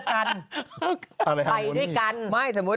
อาทิตย์หนึ่ง